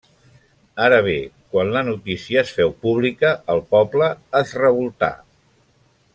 Ara bé, quan la notícia es féu pública, el poble es revoltà.